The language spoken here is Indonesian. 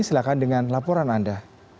silahkan dengan laporan anda